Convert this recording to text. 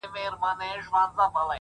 راته يادېږې شپه كړم څنگه تېره _